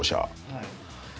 はい。